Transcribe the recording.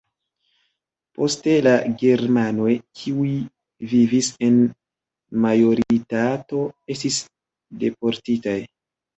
Poste la germanoj, kiuj vivis en majoritato, estis deportitaj.